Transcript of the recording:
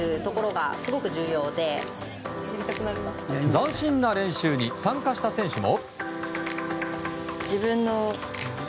斬新な練習に参加した選手も。